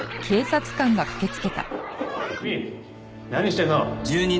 君何してんの？